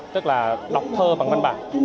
tức là đọc thơ bằng văn bản